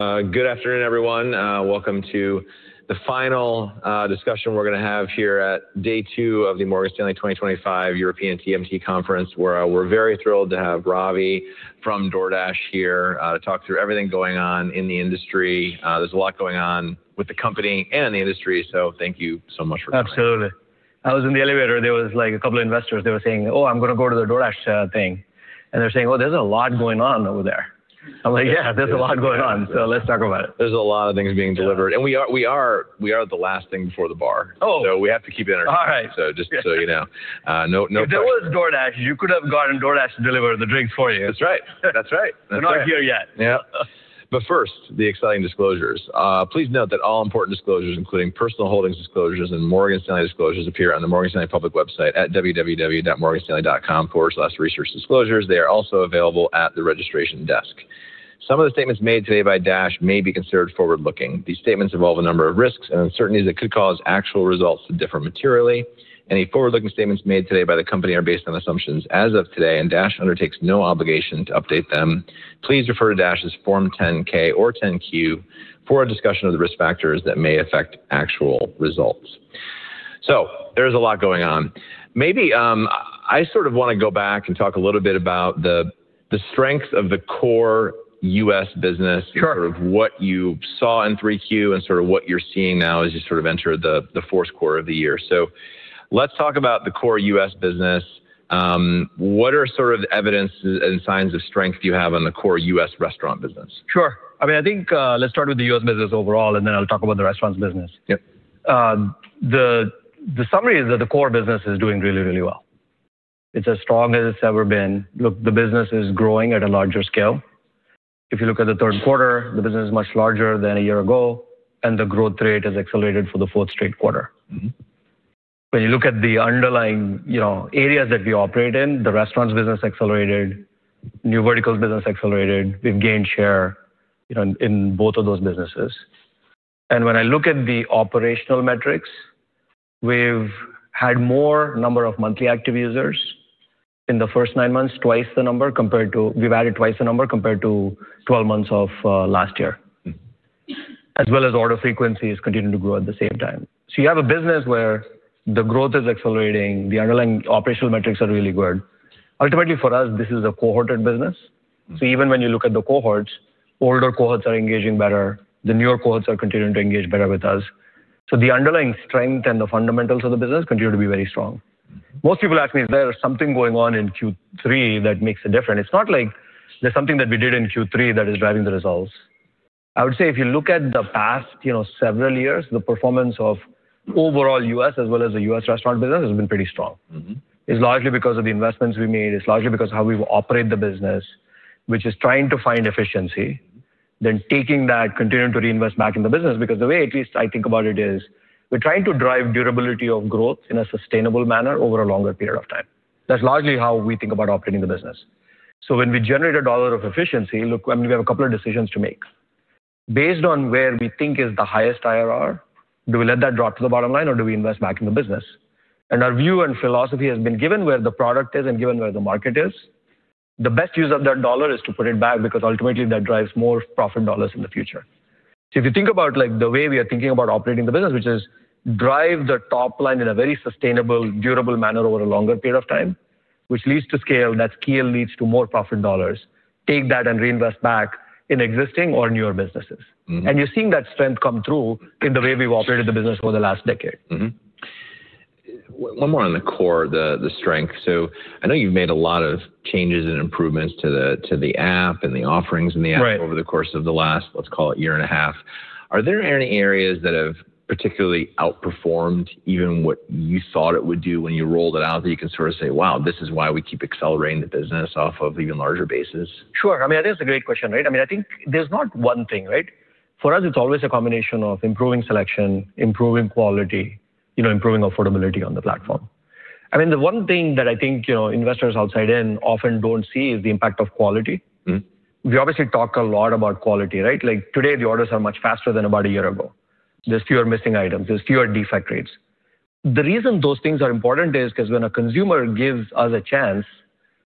Good afternoon, everyone. Welcome to the final discussion we are going to have here at day two of the Morgan Stanley 2025 European TMT Conference, where we are very thrilled to have Ravi from DoorDash here to talk through everything going on in the industry. There is a lot going on with the company and the industry, so thank you so much for coming. Absolutely. I was in the elevator. There was like a couple of investors. They were saying, "Oh, I'm going to go to the DoorDash thing." And they're saying, "Oh, there's a lot going on over there." I'm like, "Yeah, there's a lot going on, so let's talk about it. There's a lot of things being delivered. We are the last thing before the bar, so we have to keep it energetic. All right. Just so you know. If there was DoorDash, you could have gotten DoorDash to deliver the drinks for you. That's right. That's right. We're not here yet. Yeah. First, the exciting disclosures. Please note that all important disclosures, including personal holdings disclosures and Morgan Stanley disclosures, appear on the Morgan Stanley public website at www.morganstanley.com/researchdisclosures. They are also available at the registration desk. Some of the statements made today by DoorDash may be considered forward-looking. These statements involve a number of risks and uncertainties that could cause actual results to differ materially. Any forward-looking statements made today by the company are based on assumptions as of today, and DoorDash undertakes no obligation to update them. Please refer to DoorDash's Form 10-K or 10-Q for a discussion of the risk factors that may affect actual results. There is a lot going on. Maybe I sort of want to go back and talk a little bit about the strength of the core U.S. business, sort of what you saw in 3Q and sort of what you're seeing now as you sort of enter the fourth quarter of the year. Let's talk about the core U.S. business. What are sort of the evidences and signs of strength you have on the core U.S. restaurant business? Sure. I mean, I think let's start with the U.S. business overall, and then I'll talk about the restaurants' business. Yep. The summary is that the core business is doing really, really well. It's as strong as it's ever been. Look, the business is growing at a larger scale. If you look at the third quarter, the business is much larger than a year ago, and the growth rate has accelerated for the fourth straight quarter. When you look at the underlying areas that we operate in, the restaurants' business accelerated, new verticals' business accelerated. We've gained share in both of those businesses. When I look at the operational metrics, we've had more number of monthly active users in the first nine months, twice the number compared to—we've added twice the number compared to 12 months of last year, as well as order frequency has continued to grow at the same time. You have a business where the growth is accelerating. The underlying operational metrics are really good. Ultimately, for us, this is a cohorted business. Even when you look at the cohorts, older cohorts are engaging better. The newer cohorts are continuing to engage better with us. The underlying strength and the fundamentals of the business continue to be very strong. Most people ask me, "Is there something going on in Q3 that makes a difference?" It is not like there is something that we did in Q3 that is driving the results. I would say if you look at the past several years, the performance of overall U.S. as well as the U.S. restaurant business has been pretty strong. It is largely because of the investments we made. It is largely because of how we operate the business, which is trying to find efficiency, then taking that, continuing to reinvest back in the business. Because the way at least I think about it is we're trying to drive durability of growth in a sustainable manner over a longer period of time. That's largely how we think about operating the business. When we generate a dollar of efficiency, look, I mean, we have a couple of decisions to make. Based on where we think is the highest IRR, do we let that drop to the bottom line, or do we invest back in the business? Our view and philosophy has been given where the product is and given where the market is. The best use of that dollar is to put it back because ultimately that drives more profit dollars in the future. If you think about the way we are thinking about operating the business, which is drive the top line in a very sustainable, durable manner over a longer period of time, which leads to scale, that scale leads to more profit dollars, take that and reinvest back in existing or newer businesses. You're seeing that strength come through in the way we've operated the business over the last decade. One more on the core, the strength. I know you've made a lot of changes and improvements to the app and the offerings in the app over the course of the last, let's call it, year and a half. Are there any areas that have particularly outperformed even what you thought it would do when you rolled it out that you can sort of say, "Wow, this is why we keep accelerating the business off of even larger bases? Sure. I mean, I think that's a great question, right? I mean, I think there's not one thing, right? For us, it's always a combination of improving selection, improving quality, improving affordability on the platform. I mean, the one thing that I think investors outside often don't see is the impact of quality. We obviously talk a lot about quality, right? Like today, the orders are much faster than about a year ago. There's fewer missing items. There's fewer defect rates. The reason those things are important is because when a consumer gives us a chance,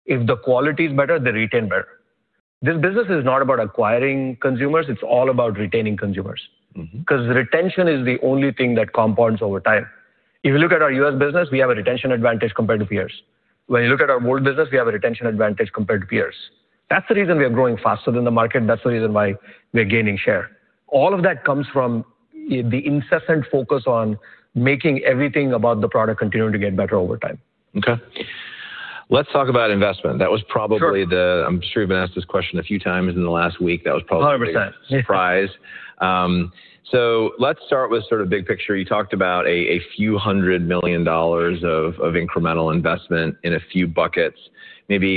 if the quality is better, they retain better. This business is not about acquiring consumers. It's all about retaining consumers because retention is the only thing that compounds over time. If you look at our U.S. business, we have a retention advantage compared to peers. When you look at our world business, we have a retention advantage compared to peers. That's the reason we are growing faster than the market. That's the reason why we are gaining share. All of that comes from the incessant focus on making everything about the product continue to get better over time. Okay. Let's talk about investment. That was probably the—I’m sure you’ve been asked this question a few times in the last week. That was probably the biggest surprise. 100%. Let's start with sort of big picture. You talked about a few hundred million dollars of incremental investment in a few buckets. Maybe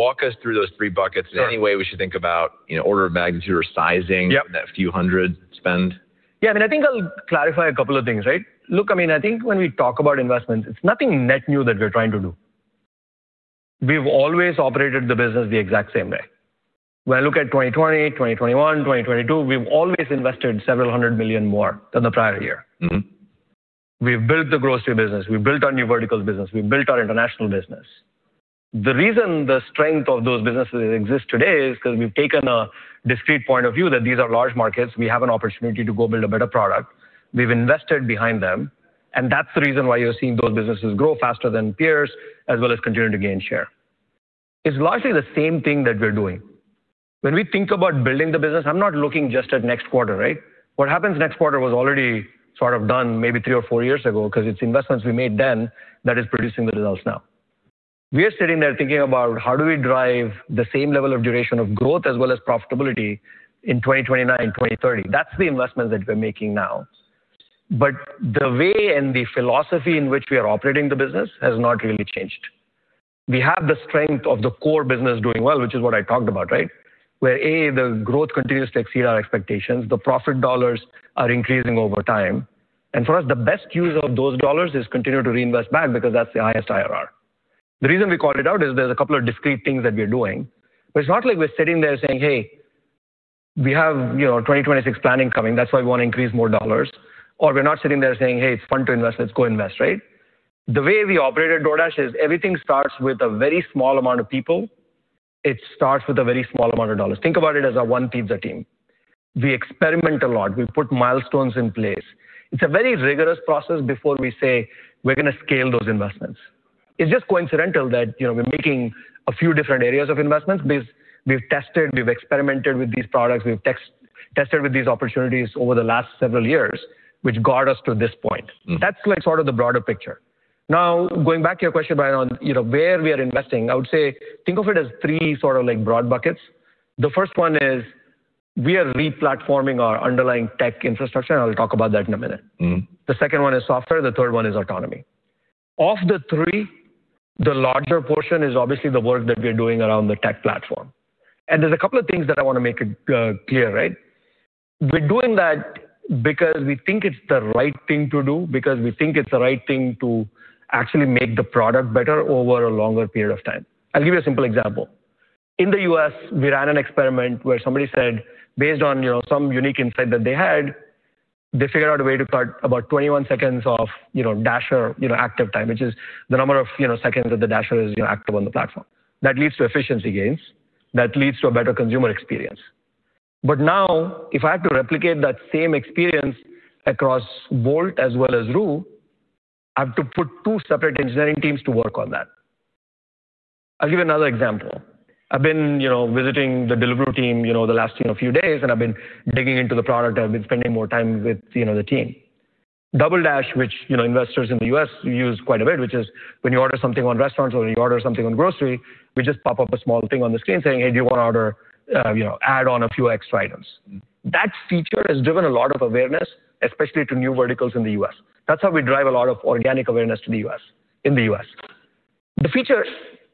walk us through those three buckets in any way we should think about, order of magnitude or sizing that few hundred spend. Yeah. I mean, I think I'll clarify a couple of things, right? Look, I mean, I think when we talk about investments, it's nothing net new that we're trying to do. We've always operated the business the exact same way. When I look at 2020, 2021, 2022, we've always invested several hundred million more than the prior year. We've built the grocery business. We've built our new verticals' business. We've built our international business. The reason the strength of those businesses exists today is because we've taken a discrete point of view that these are large markets. We have an opportunity to go build a better product. We've invested behind them. That's the reason why you're seeing those businesses grow faster than peers, as well as continue to gain share. It's largely the same thing that we're doing. When we think about building the business, I'm not looking just at next quarter, right? What happens next quarter was already sort of done maybe three or four years ago because it's investments we made then that are producing the results now. We are sitting there thinking about how do we drive the same level of duration of growth as well as profitability in 2029, 2030. That's the investments that we're making now. The way and the philosophy in which we are operating the business has not really changed. We have the strength of the core business doing well, which is what I talked about, right? Where A, the growth continues to exceed our expectations. The profit dollars are increasing over time. For us, the best use of those dollars is continue to reinvest back because that's the highest IRR. The reason we call it out is there's a couple of discrete things that we're doing. It's not like we're sitting there saying, "Hey, we have 2026 planning coming. That's why we want to increase more dollars." Or we're not sitting there saying, "Hey, it's fun to invest. Let's go invest," right? The way we operate at DoorDash is everything starts with a very small amount of people. It starts with a very small amount of dollars. Think about it as a one-pizza team. We experiment a lot. We put milestones in place. It's a very rigorous process before we say, "We're going to scale those investments." It's just coincidental that we're making a few different areas of investments because we've tested, we've experimented with these products. We've tested with these opportunities over the last several years, which got us to this point. That's like sort of the broader picture. Now, going back to your question about where we are investing, I would say think of it as three sort of broad buckets. The first one is we are replatforming our underlying tech infrastructure, and I'll talk about that in a minute. The second one is software. The third one is autonomy. Of the three, the larger portion is obviously the work that we're doing around the tech platform. There are a couple of things that I want to make clear, right? We're doing that because we think it's the right thing to do, because we think it's the right thing to actually make the product better over a longer period of time. I'll give you a simple example. In the U.S., we ran an experiment where somebody said, based on some unique insight that they had, they figured out a way to cut about 21 seconds of Dasher active time, which is the number of seconds that the Dasher is active on the platform. That leads to efficiency gains. That leads to a better consumer experience. Now, if I have to replicate that same experience across Wolt as well as Deliveroo, I have to put two separate engineering teams to work on that. I'll give you another example. I've been visiting the delivery team the last few days, and I've been digging into the product. I've been spending more time with the team. DoubleDash, which investors in the U.S. use quite a bit, which is when you order something on restaurants or you order something on grocery, we just pop up a small thing on the screen saying, "Hey, do you want to add on a few extra items?" That feature has driven a lot of awareness, especially to new verticals in the U.S. That's how we drive a lot of organic awareness in the U.S. The feature,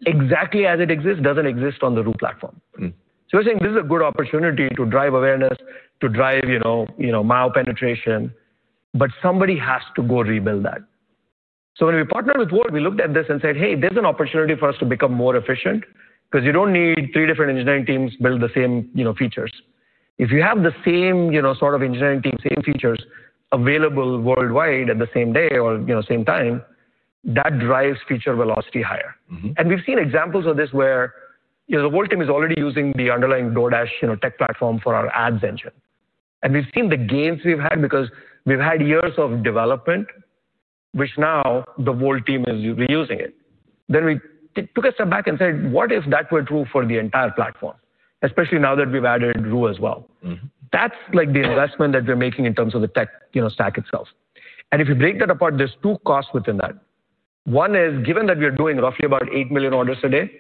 exactly as it exists, doesn't exist on the Wolt platform. So we're saying this is a good opportunity to drive awareness, to drive mile penetration, but somebody has to go rebuild that. When we partnered with Wolt, we looked at this and said, "Hey, there's an opportunity for us to become more efficient because you don't need three different engineering teams to build the same features." If you have the same sort of engineering team, same features available worldwide at the same day or same time, that drives feature velocity higher. We have seen examples of this where the Wolt team is already using the underlying DoorDash tech platform for our ads engine. We have seen the gains we have had because we have had years of development, which now the Wolt team is reusing. We took a step back and said, "What if that were true for the entire platform, especially now that we have added Deliveroo as well?" That is the investment that we are making in terms of the tech stack itself. If you break that apart, there's two costs within that. One is, given that we are doing roughly about 8 million orders a day,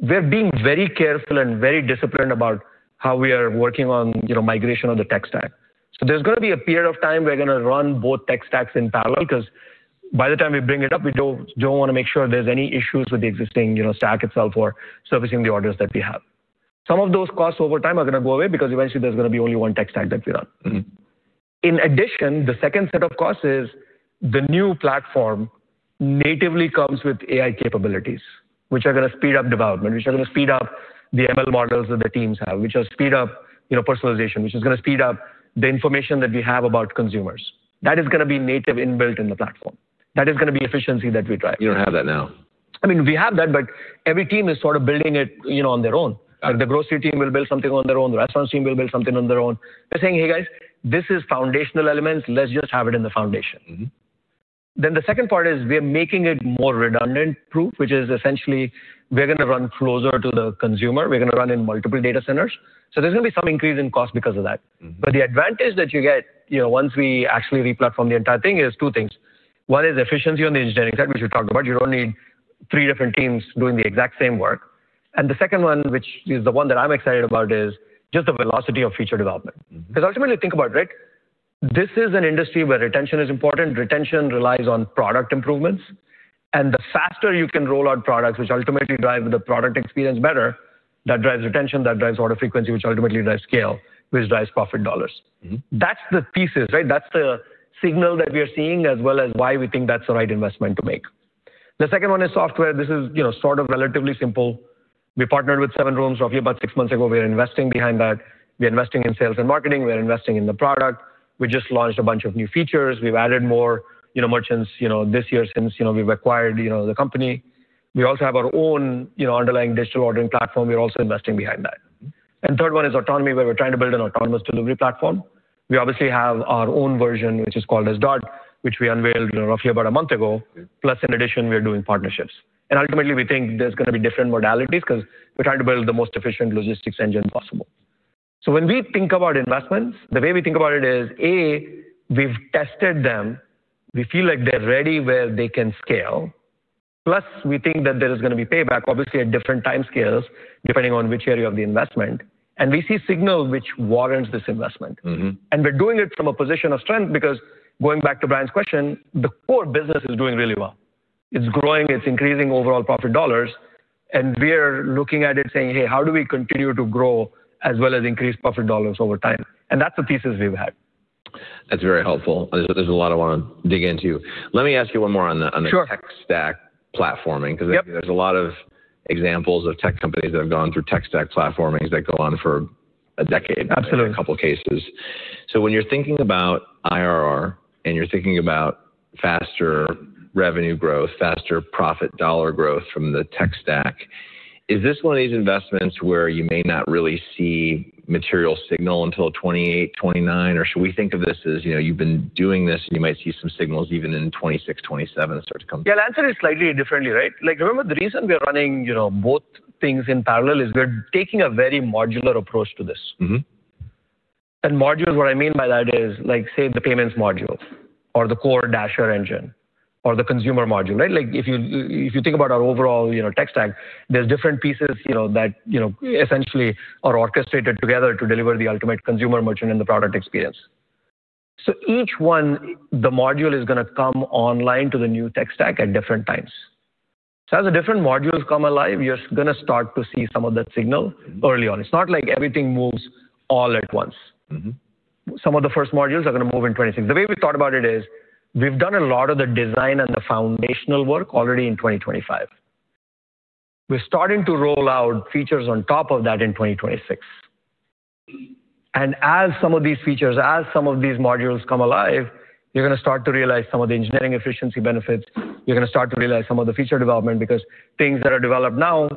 we're being very careful and very disciplined about how we are working on migration of the tech stack. There's going to be a period of time we're going to run both tech stacks in parallel because by the time we bring it up, we don't want to make sure there's any issues with the existing stack itself or servicing the orders that we have. Some of those costs over time are going to go away because eventually there's going to be only one tech stack that we run. In addition, the second set of costs is the new platform natively comes with AI capabilities, which are going to speed up development, which are going to speed up the ML models that the teams have, which will speed up personalization, which is going to speed up the information that we have about consumers. That is going to be native inbuilt in the platform. That is going to be efficiency that we drive. You don't have that now. I mean, we have that, but every team is sort of building it on their own. The grocery team will build something on their own. The restaurants team will build something on their own. We're saying, "Hey guys, this is foundational elements. Let's just have it in the foundation." The second part is we are making it more redundant proof, which is essentially we're going to run closer to the consumer. We're going to run in multiple data centers. There is going to be some increase in cost because of that. The advantage that you get once we actually replatform the entire thing is two things. One is efficiency on the engineering side, which we talked about. You do not need three different teams doing the exact same work. The second one, which is the one that I'm excited about, is just the velocity of feature development. Because ultimately, think about it, right? This is an industry where retention is important. Retention relies on product improvements. The faster you can roll out products, which ultimately drive the product experience better, that drives retention, that drives order frequency, which ultimately drives scale, which drives profit dollars. That is the pieces, right? That is the signal that we are seeing as well as why we think that is the right investment to make. The second one is software. This is sort of relatively simple. We partnered with Seven Rooms roughly about six months ago. We are investing behind that. We are investing in sales and marketing. We are investing in the product. We just launched a bunch of new features. We have added more merchants this year since we have acquired the company. We also have our own underlying digital ordering platform. We are also investing behind that. The third one is autonomy, where we're trying to build an autonomous delivery platform. We obviously have our own version, which is called Dot, which we unveiled roughly about a month ago. In addition, we are doing partnerships. Ultimately, we think there's going to be different modalities because we're trying to build the most efficient logistics engine possible. When we think about investments, the way we think about it is, A, we've tested them. We feel like they're ready where they can scale. We think that there is going to be payback, obviously at different time scales depending on which area of the investment. We see signal which warrants this investment. We're doing it from a position of strength because going back to Brian's question, the core business is doing really well. It's growing. It's increasing overall profit dollars. We are looking at it saying, "Hey, how do we continue to grow as well as increase profit dollars over time?" That is the thesis we have had. That's very helpful. There's a lot I want to dig into. Let me ask you one more on the tech stack platforming because there's a lot of examples of tech companies that have gone through tech stack platformings that go on for a decade in a couple of cases. When you're thinking about IRR and you're thinking about faster revenue growth, faster profit dollar growth from the tech stack, is this one of these investments where you may not really see material signal until 2028, 2029? Or should we think of this as you've been doing this and you might see some signals even in 2026, 2027 start to come? Yeah, the answer is slightly differently, right? Like remember, the reason we are running both things in parallel is we're taking a very modular approach to this. And modular, what I mean by that is like say the payments module or the core Dasher engine or the consumer module, right? Like if you think about our overall tech stack, there's different pieces that essentially are orchestrated together to deliver the ultimate consumer, merchant, and the product experience. So each one, the module is going to come online to the new tech stack at different times. As the different modules come alive, you're going to start to see some of that signal early on. It's not like everything moves all at once. Some of the first modules are going to move in 2026. The way we thought about it is we've done a lot of the design and the foundational work already in 2025. We're starting to roll out features on top of that in 2026. As some of these features, as some of these modules come alive, you're going to start to realize some of the engineering efficiency benefits. You're going to start to realize some of the feature development because things that are developed now,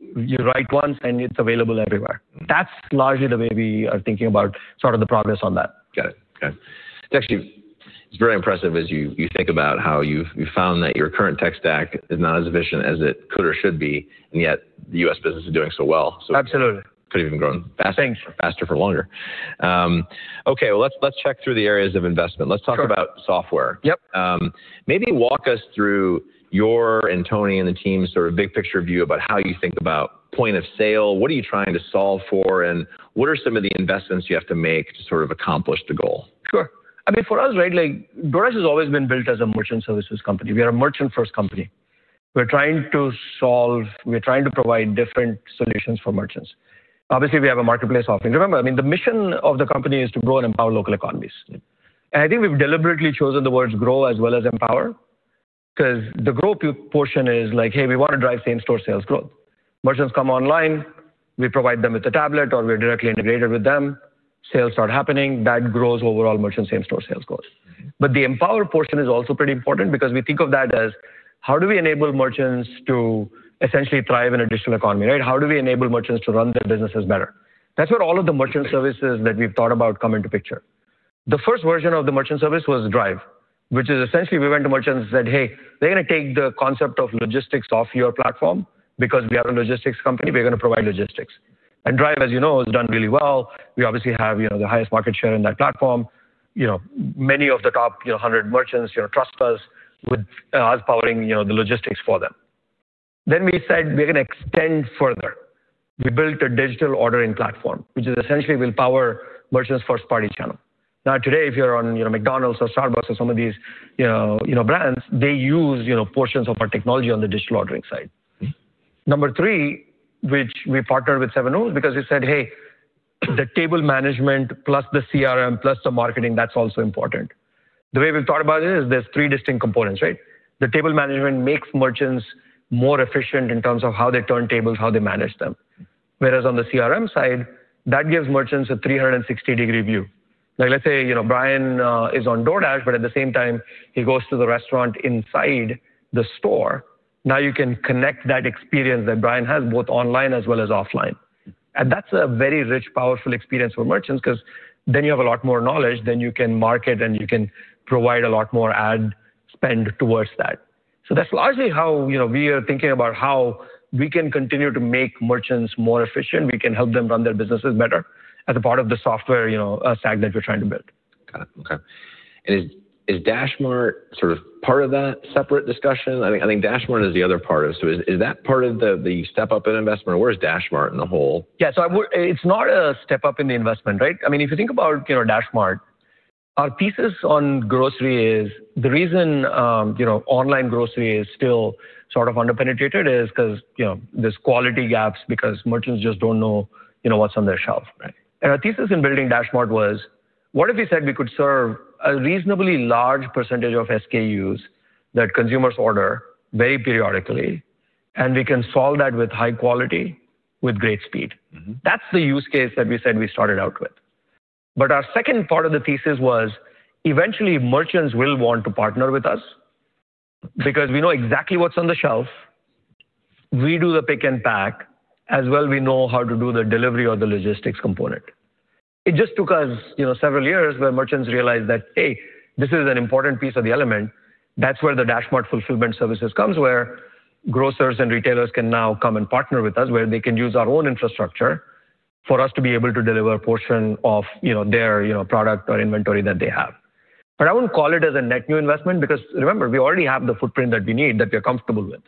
you write once and it's available everywhere. That's largely the way we are thinking about sort of the progress on that. Got it. Got it. It's actually very impressive as you think about how you found that your current tech stack is not as efficient as it could or should be, and yet the U.S. business is doing so well. Absolutely. It could have even grown faster for longer. Okay. Let's check through the areas of investment. Let's talk about software. Maybe walk us through your and Tony and the team's sort of big picture view about how you think about point of sale. What are you trying to solve for? And what are some of the investments you have to make to sort of accomplish the goal? Sure. I mean, for us, right, DoorDash has always been built as a merchant services company. We are a merchant-first company. We're trying to solve, we're trying to provide different solutions for merchants. Obviously, we have a marketplace offering. Remember, I mean, the mission of the company is to grow and empower local economies. I think we've deliberately chosen the words grow as well as empower because the growth portion is like, "Hey, we want to drive same-store sales growth." Merchants come online. We provide them with a tablet or we're directly integrated with them. Sales start happening. That grows overall merchant same-store sales growth. The empower portion is also pretty important because we think of that as how do we enable merchants to essentially thrive in a digital economy, right? How do we enable merchants to run their businesses better? That's where all of the merchant services that we've thought about come into picture. The first version of the merchant service was Drive, which is essentially we went to merchants and said, "Hey, we're going to take the concept of logistics off your platform because we are a logistics company. We're going to provide logistics." Drive, as you know, has done really well. We obviously have the highest market share in that platform. Many of the top 100 merchants trust us with us powering the logistics for them. We said we're going to extend further. We built a digital ordering platform, which essentially will power merchants' first-party channel. Now, today, if you're on McDonald's or Starbucks or some of these brands, they use portions of our technology on the digital ordering side. Number three, which we partnered with Seven Rooms because we said, "Hey, the table management plus the CRM plus the marketing, that's also important." The way we've thought about it is there's three distinct components, right? The table management makes merchants more efficient in terms of how they turn tables, how they manage them. Whereas on the CRM side, that gives merchants a 360-degree view. Like let's say Brian is on DoorDash, but at the same time, he goes to the restaurant inside the store. Now you can connect that experience that Brian has both online as well as offline. That is a very rich, powerful experience for merchants because then you have a lot more knowledge, then you can market, and you can provide a lot more ad spend towards that. That is largely how we are thinking about how we can continue to make merchants more efficient. We can help them run their businesses better as a part of the software stack that we're trying to build. Got it. Okay. Is DashMart sort of part of that separate discussion? I think DashMart is the other part of it. Is that part of the step-up in investment, or where is DashMart in the whole? Yeah. It is not a step-up in the investment, right? I mean, if you think about DashMart, our thesis on grocery is the reason online grocery is still sort of underpenetrated is because there are quality gaps because merchants just do not know what is on their shelf. And our thesis in building DashMart was, what if we said we could serve a reasonably large percentage of SKUs that consumers order very periodically, and we can solve that with high quality with great speed? That is the use case that we said we started out with. Our second part of the thesis was eventually merchants will want to partner with us because we know exactly what is on the shelf. We do the pick and pack as well. We know how to do the delivery or the logistics component. It just took us several years where merchants realized that, "Hey, this is an important piece of the element." That is where the DashMart fulfillment services comes, where grocers and retailers can now come and partner with us, where they can use our own infrastructure for us to be able to deliver a portion of their product or inventory that they have. I would not call it as a net new investment because remember, we already have the footprint that we need that we are comfortable with.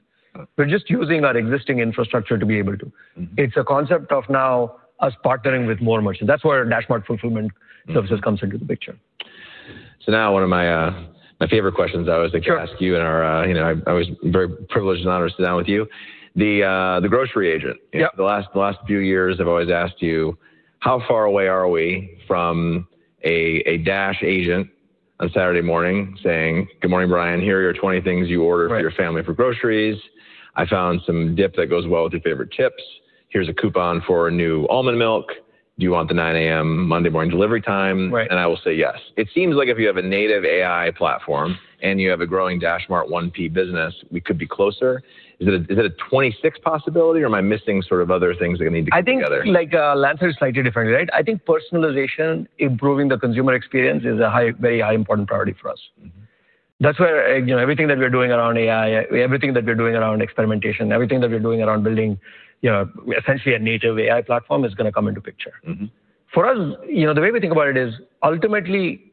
We are just using our existing infrastructure to be able to. It is a concept of now us partnering with more merchants. That is where DashMart fulfillment services comes into the picture. Now, one of my favorite questions I always like to ask you, and I was very privileged and honored to sit down with you, the grocery agent. The last few years, I have always asked you, how far away are we from a Dash agent on Saturday morning saying, "Good morning, Brian. Here are your 20 things you order for your family for groceries. I found some dip that goes well with your favorite chips. Here is a coupon for a new almond milk. Do you want the 9:00 A.M. Monday morning delivery time?" And I will say yes. It seems like if you have a native AI platform and you have a growing DashMart 1P business, we could be closer. Is that a 2026 possibility, or am I missing sort of other things that need to come together? I think like the answer is slightly different, right? I think personalization, improving the consumer experience is a very high important priority for us. That's where everything that we're doing around AI, everything that we're doing around experimentation, everything that we're doing around building essentially a native AI platform is going to come into picture. For us, the way we think about it is ultimately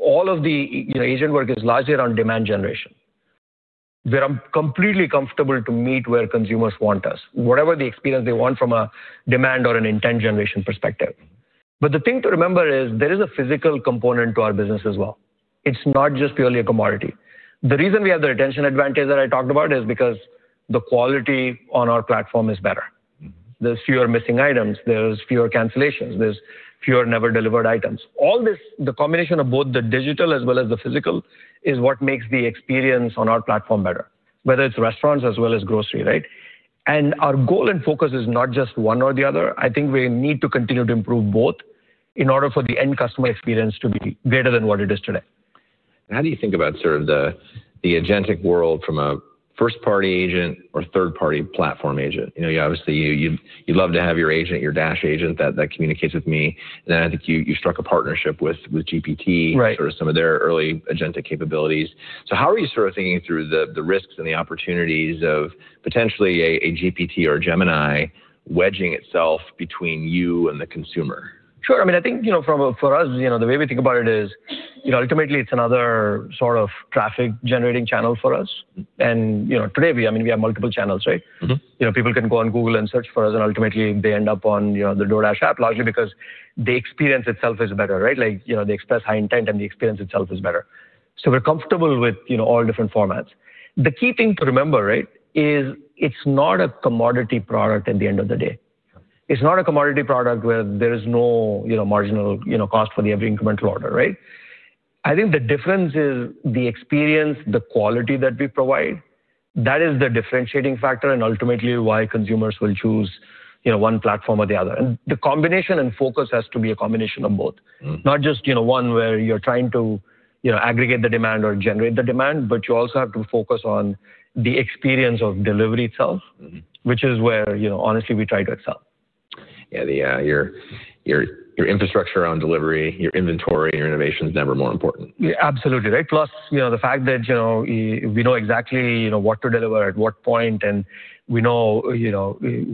all of the agent work is largely around demand generation. We're completely comfortable to meet where consumers want us, whatever the experience they want from a demand or an intent generation perspective. The thing to remember is there is a physical component to our business as well. It's not just purely a commodity. The reason we have the retention advantage that I talked about is because the quality on our platform is better. There's fewer missing items. There's fewer cancellations. There's fewer never-delivered items. All this, the combination of both the digital as well as the physical is what makes the experience on our platform better, whether it's restaurants as well as grocery, right? Our goal and focus is not just one or the other. I think we need to continue to improve both in order for the end customer experience to be greater than what it is today. How do you think about sort of the agentic world from a first-party agent or third-party platform agent? Obviously, you'd love to have your agent, your Dash agent that communicates with me. I think you struck a partnership with GPT, sort of some of their early agentic capabilities. How are you sort of thinking through the risks and the opportunities of potentially a GPT or a Gemini wedging itself between you and the consumer? Sure. I mean, I think for us, the way we think about it is ultimately it's another sort of traffic-generating channel for us. Today, I mean, we have multiple channels, right? People can go on Google and search for us, and ultimately they end up on the DoorDash app, largely because the experience itself is better, right? Like the express high intent and the experience itself is better. We are comfortable with all different formats. The key thing to remember, right, is it's not a commodity product at the end of the day. It's not a commodity product where there is no marginal cost for every incremental order, right? I think the difference is the experience, the quality that we provide. That is the differentiating factor and ultimately why consumers will choose one platform or the other. The combination and focus has to be a combination of both, not just one where you're trying to aggregate the demand or generate the demand, but you also have to focus on the experience of delivery itself, which is where honestly we try to excel. Yeah. Your infrastructure around delivery, your inventory, your innovation is never more important. Absolutely, right? Plus the fact that we know exactly what to deliver at what point, and we know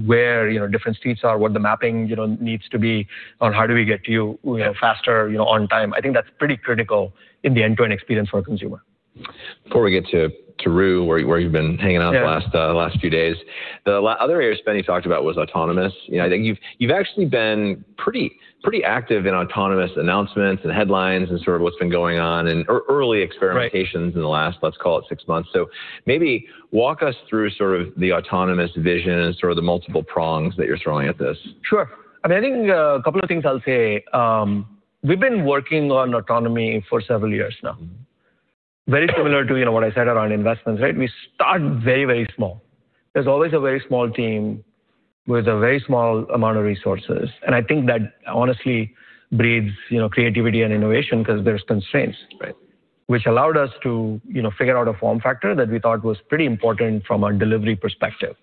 where different streets are, what the mapping needs to be on how do we get to you faster on time. I think that's pretty critical in the end-to-end experience for a consumer. Before we get to Wolt, where you've been hanging out the last few days, the other area Spenny talked about was autonomous. I think you've actually been pretty active in autonomous announcements and headlines and sort of what's been going on and early experimentations in the last, let's call it six months. Maybe walk us through sort of the autonomous vision and sort of the multiple prongs that you're throwing at this. Sure. I mean, I think a couple of things I'll say. We've been working on autonomy for several years now, very similar to what I said around investments, right? We start very, very small. There's always a very small team with a very small amount of resources. I think that honestly breeds creativity and innovation because there's constraints, right? Which allowed us to figure out a form factor that we thought was pretty important from a delivery perspective.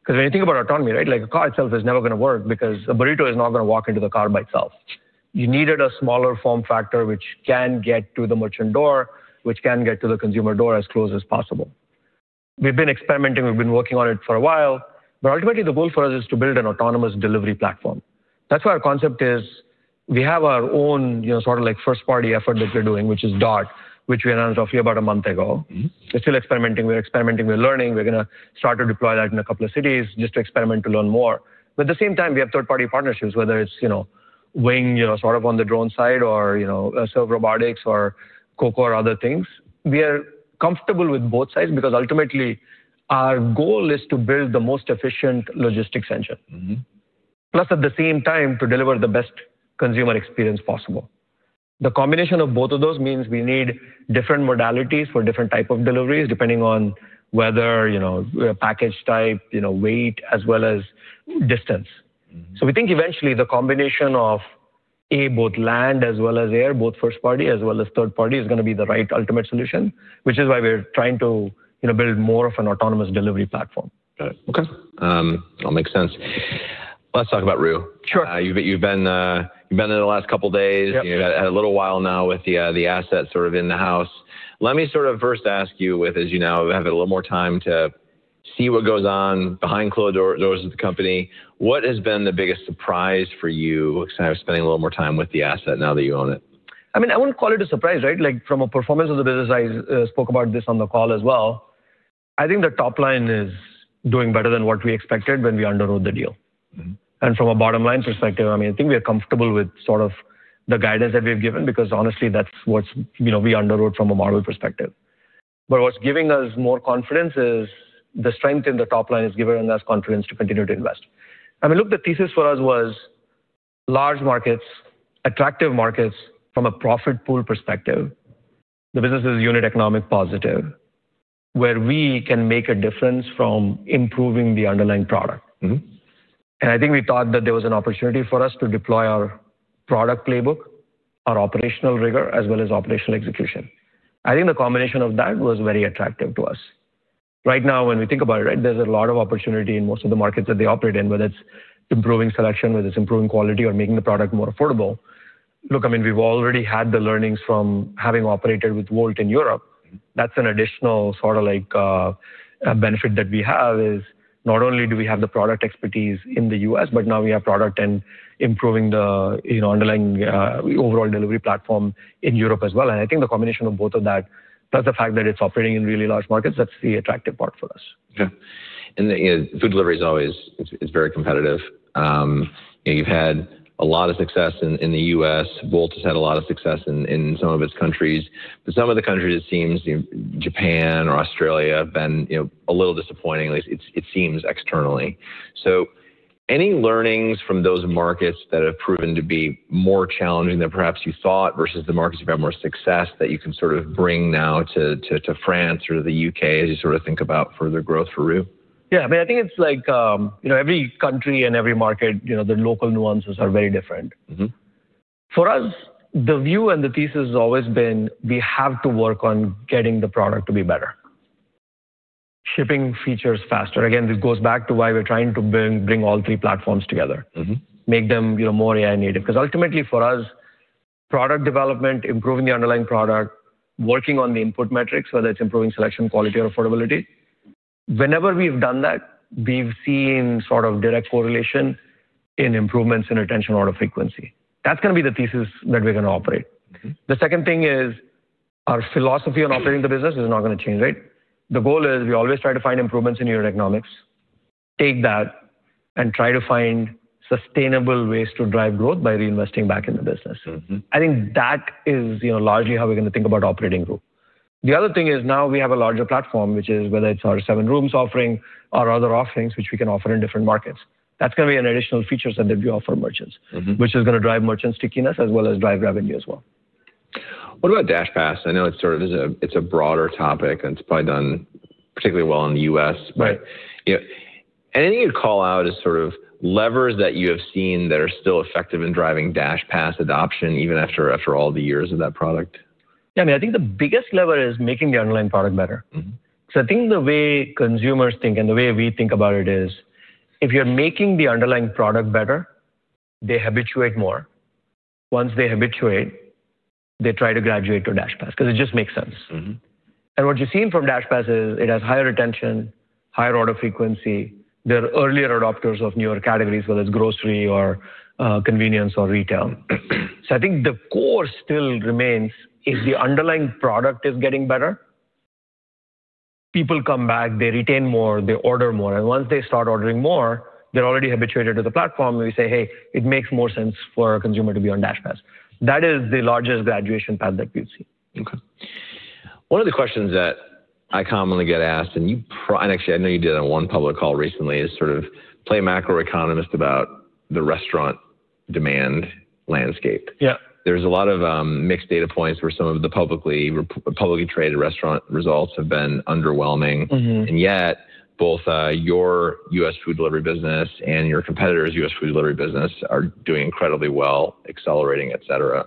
Because when you think about autonomy, right, like a car itself is never going to work because a burrito is not going to walk into the car by itself. You needed a smaller form factor which can get to the merchant door, which can get to the consumer door as close as possible. We've been experimenting. We've been working on it for a while. Ultimately, the goal for us is to build an autonomous delivery platform. That is why our concept is we have our own sort of first-party effort that we are doing, which is Dart, which we announced roughly about a month ago. We are still experimenting. We are experimenting. We are learning. We are going to start to deploy that in a couple of cities just to experiment to learn more. At the same time, we have third-party partnerships, whether it is Wing sort of on the drone side or Serve Robotics or Coco or other things. We are comfortable with both sides because ultimately our goal is to build the most efficient logistics engine, plus at the same time to deliver the best consumer experience possible. The combination of both of those means we need different modalities for different types of deliveries depending on whether package type, weight, as well as distance. We think eventually the combination of both land as well as air, both first-party as well as third-party is going to be the right ultimate solution, which is why we're trying to build more of an autonomous delivery platform. Got it. Okay. That'll make sense. Let's talk about Roo. Sure. You've been there the last couple of days. You've had a little while now with the asset sort of in the house. Let me sort of first ask you, as you now have a little more time to see what goes on behind closed doors of the company, what has been the biggest surprise for you? Because I was spending a little more time with the asset now that you own it. I mean, I wouldn't call it a surprise, right? Like from a performance of the business, I spoke about this on the call as well. I think the top line is doing better than what we expected when we underwrote the deal. And from a bottom-line perspective, I mean, I think we're comfortable with sort of the guidance that we've given because honestly, that's what we underwrote from a model perspective. What's giving us more confidence is the strength in the top line has given us confidence to continue to invest. I mean, look, the thesis for us was large markets, attractive markets from a profit pool perspective, the business is unit economic positive, where we can make a difference from improving the underlying product. I think we thought that there was an opportunity for us to deploy our product playbook, our operational rigor, as well as operational execution. I think the combination of that was very attractive to us. Right now, when we think about it, right, there's a lot of opportunity in most of the markets that they operate in, whether it's improving selection, whether it's improving quality, or making the product more affordable. Look, I mean, we've already had the learnings from having operated with Wolt in Europe. That's an additional sort of benefit that we have is not only do we have the product expertise in the U.S., but now we have product and improving the underlying overall delivery platform in Europe as well. I think the combination of both of that, plus the fact that it's operating in really large markets, that's the attractive part for us. Yeah. Food delivery is always very competitive. You've had a lot of success in the U.S. Wolt has had a lot of success in some of its countries. Some of the countries, it seems Japan or Australia have been a little disappointing, at least it seems externally. Any learnings from those markets that have proven to be more challenging than perhaps you thought versus the markets you've had more success that you can sort of bring now to France or the U.K. as you sort of think about further growth for Roo? Yeah. I mean, I think it's like every country and every market, the local nuances are very different. For us, the view and the thesis has always been we have to work on getting the product to be better, shipping features faster. Again, this goes back to why we're trying to bring all three platforms together, make them more AI native. Because ultimately for us, product development, improving the underlying product, working on the input metrics, whether it's improving selection quality or affordability. Whenever we've done that, we've seen sort of direct correlation in improvements in retention order frequency. That's going to be the thesis that we're going to operate. The second thing is our philosophy on operating the business is not going to change, right? The goal is we always try to find improvements in your economics, take that, and try to find sustainable ways to drive growth by reinvesting back in the business. I think that is largely how we're going to think about operating Wolt. The other thing is now we have a larger platform, which is whether it's our SevenRooms offering or other offerings which we can offer in different markets. That's going to be an additional feature that we offer merchants, which is going to drive merchant stickiness as well as drive revenue as well. What about DashPass? I know it's sort of a broader topic, and it's probably done particularly well in the U.S., but anything you'd call out as sort of levers that you have seen that are still effective in driving DashPass adoption even after all the years of that product? Yeah. I mean, I think the biggest lever is making the underlying product better. I think the way consumers think and the way we think about it is if you're making the underlying product better, they habituate more. Once they habituate, they try to graduate to DashPass because it just makes sense. What you've seen from DashPass is it has higher retention, higher order frequency. They're earlier adopters of newer categories, whether it's grocery or convenience or retail. I think the core still remains if the underlying product is getting better, people come back, they retain more, they order more. Once they start ordering more, they're already habituated to the platform. We say, "Hey, it makes more sense for a consumer to be on DashPass." That is the largest graduation path that we've seen. Okay. One of the questions that I commonly get asked, and actually I know you did on one public call recently, is sort of play macroeconomist about the restaurant demand landscape. There is a lot of mixed data points where some of the publicly traded restaurant results have been underwhelming. Yet both your U.S. food delivery business and your competitor's U.S. food delivery business are doing incredibly well, accelerating, etc.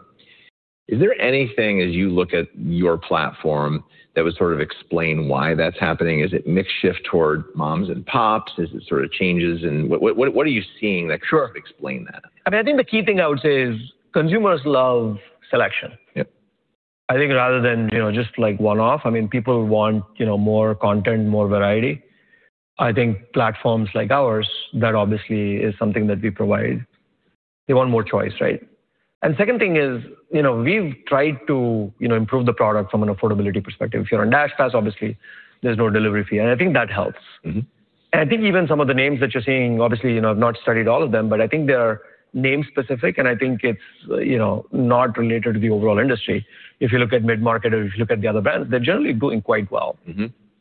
Is there anything as you look at your platform that would sort of explain why that is happening? Is it makeshift toward moms and pops? Is it sort of changes? What are you seeing that could sort of explain that? Sure. I mean, I think the key thing I would say is consumers love selection. I think rather than just like one-off, I mean, people want more content, more variety. I think platforms like ours, that obviously is something that we provide, they want more choice, right? The second thing is we've tried to improve the product from an affordability perspective. If you're on DashPass, obviously there's no delivery fee. I think that helps. I think even some of the names that you're seeing, obviously I've not studied all of them, but I think they're name-specific, and I think it's not related to the overall industry. If you look at mid-market or if you look at the other brands, they're generally doing quite well.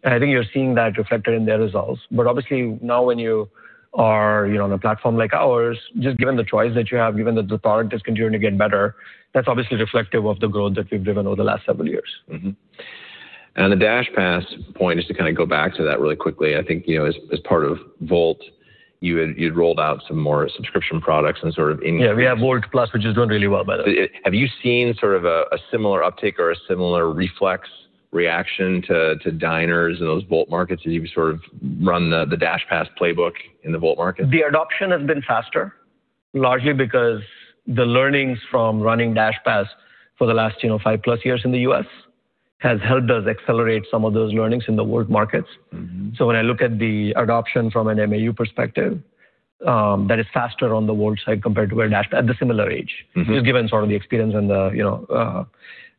I think you're seeing that reflected in their results. Obviously now when you are on a platform like ours, just given the choice that you have, given that the product is continuing to get better, that's obviously reflective of the growth that we've driven over the last several years. The DashPass point is to kind of go back to that really quickly. I think as part of Wolt, you'd rolled out some more subscription products and sort of. Yeah. We have Wolt Plus, which is doing really well, by the way. Have you seen sort of a similar uptake or a similar reflex reaction to diners in those Wolt markets as you've sort of run the DashPass playbook in the Wolt market? The adoption has been faster, largely because the learnings from running DashPass for the last five-plus years in the U.S. has helped us accelerate some of those learnings in the Wolt markets. When I look at the adoption from an MAU perspective, that is faster on the Wolt side compared to where DashPass at the similar age is given sort of the experience and the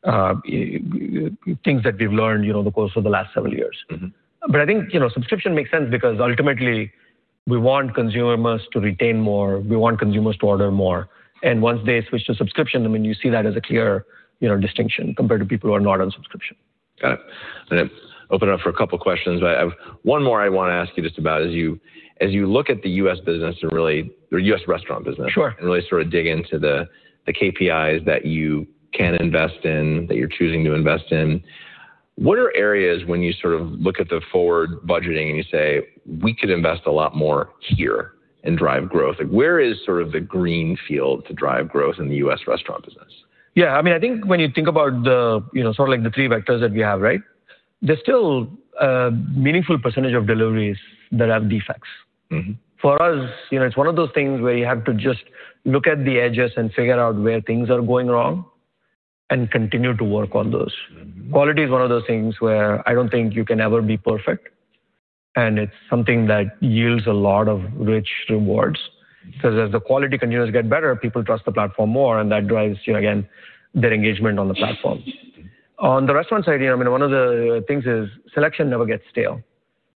things that we've learned over the course of the last several years. I think subscription makes sense because ultimately we want consumers to retain more. We want consumers to order more. Once they switch to subscription, I mean, you see that as a clear distinction compared to people who are not on subscription. Got it. I'm going to open it up for a couple of questions. One more I want to ask you just about is you look at the U.S. business and really the U.S. restaurant business and really sort of dig into the KPIs that you can invest in, that you're choosing to invest in. What are areas when you sort of look at the forward budgeting and you say, "We could invest a lot more here and drive growth"? Where is sort of the greenfield to drive growth in the U.S. restaurant business? Yeah. I mean, I think when you think about sort of like the three vectors that we have, right, there's still a meaningful percentage of deliveries that have defects. For us, it's one of those things where you have to just look at the edges and figure out where things are going wrong and continue to work on those. Quality is one of those things where I don't think you can ever be perfect. It's something that yields a lot of rich rewards because as the quality continues to get better, people trust the platform more, and that drives, again, their engagement on the platform. On the restaurant side, I mean, one of the things is selection never gets stale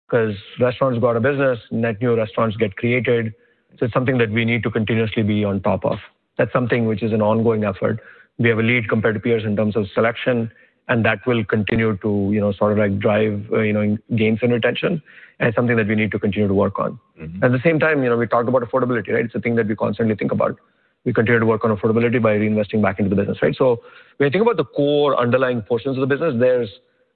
because restaurants go out of business, net new restaurants get created. It's something that we need to continuously be on top of. That's something which is an ongoing effort. We have a lead compared to peers in terms of selection, and that will continue to sort of drive gains and retention. It is something that we need to continue to work on. At the same time, we talk about affordability, right? It is a thing that we constantly think about. We continue to work on affordability by reinvesting back into the business, right? When you think about the core underlying portions of the business, there are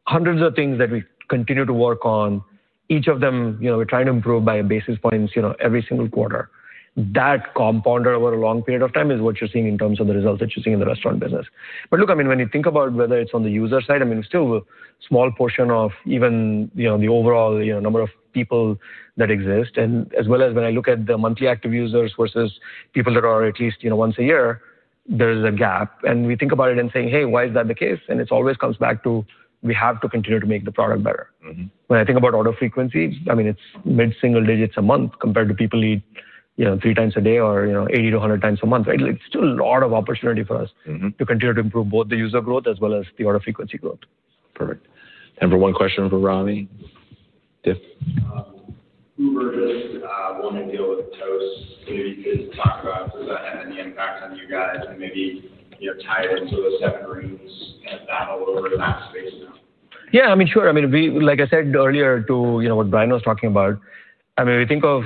hundreds of things that we continue to work on. Each of them, we are trying to improve by basis points every single quarter. That compounded over a long period of time is what you are seeing in terms of the results that you are seeing in the restaurant business. Look, I mean, when you think about whether it's on the user side, I mean, still a small portion of even the overall number of people that exist, and as well as when I look at the monthly active users versus people that are at least once a year, there is a gap. We think about it and say, "Hey, why is that the case?" It always comes back to we have to continue to make the product better. When I think about order frequency, I mean, it's mid-single digits a month compared to people eat three times a day or 80 to 100 times a month, right? It's still a lot of opportunity for us to continue to improve both the user growth as well as the order frequency growth. Perfect. One question for Ravi? Uber just went to deal with Toast. Can you talk about does that have any impact on you guys and maybe tie it into the SevenRooms and battle over that space now? Yeah. I mean, sure. I mean, like I said earlier to what Brian was talking about, I mean, we think of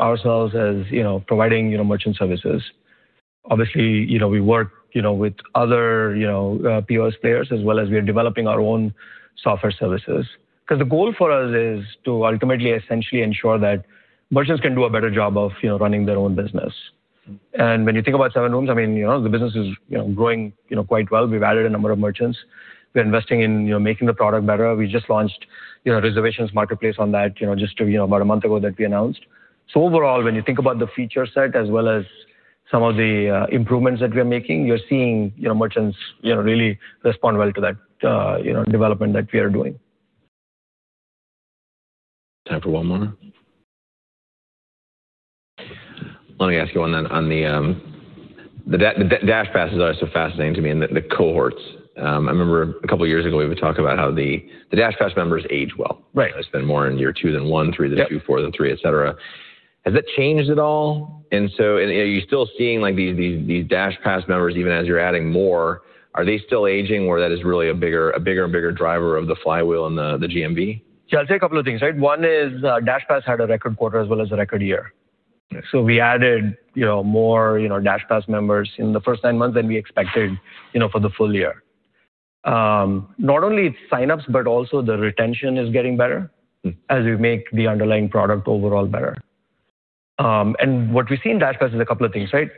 ourselves as providing merchant services. Obviously, we work with other POS players as well as we are developing our own software services. Because the goal for us is to ultimately essentially ensure that merchants can do a better job of running their own business. When you think about SevenRooms, I mean, the business is growing quite well. We've added a number of merchants. We're investing in making the product better. We just launched a Reservations Marketplace on that just about a month ago that we announced. Overall, when you think about the feature set as well as some of the improvements that we are making, you're seeing merchants really respond well to that development that we are doing. Time for one more? Let me ask you one then. The DashPasses are so fascinating to me and the cohorts. I remember a couple of years ago we would talk about how the DashPass members age well. They spend more in year two than one, three than two, four than three, etc. Has that changed at all? Are you still seeing these DashPass members even as you're adding more, are they still aging where that is really a bigger and bigger driver of the flywheel and the GMV? Yeah. I'll say a couple of things, right? One is DashPass had a record quarter as well as a record year. We added more DashPass members in the first nine months than we expected for the full year. Not only signups, but also the retention is getting better as we make the underlying product overall better. What we've seen in DashPass is a couple of things, right?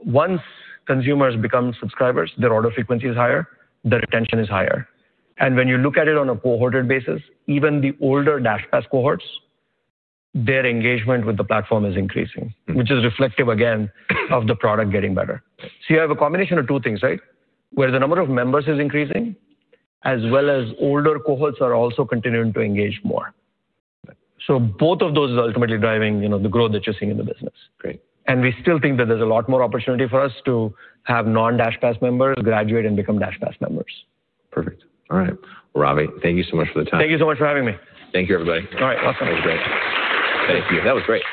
Once consumers become subscribers, their order frequency is higher, their retention is higher. When you look at it on a cohorted basis, even the older DashPass cohorts, their engagement with the platform is increasing, which is reflective again of the product getting better. You have a combination of two things, right? The number of members is increasing as well as older cohorts are also continuing to engage more. Both of those are ultimately driving the growth that you're seeing in the business. We still think that there's a lot more opportunity for us to have non-DashPass members graduate and become DashPass members. Perfect. All right. Ravi, thank you so much for the time. Thank you so much for having me. Thank you, everybody. All right. Awesome. That was great. Thank you.